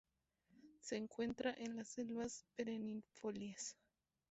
Se encuentra en las selvas perennifolias.